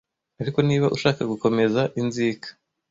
ariko niba ushaka gukomeza inzika